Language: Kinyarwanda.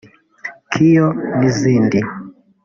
‘Kio’ n’izindi